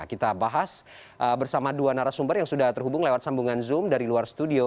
kita bahas bersama dua narasumber yang sudah terhubung lewat sambungan zoom dari luar studio